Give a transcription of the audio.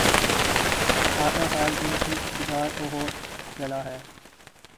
آدھا سال ان کے اقتدار کو ہو چلا ہے۔